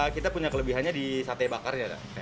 kita punya kelebihannya di sate bakarnya